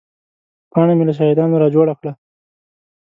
پاڼه مې له شاهدانو را جوړه کړه.